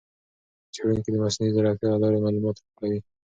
څېړونکي د مصنوعي ځېرکتیا له لارې معلومات راټولوي.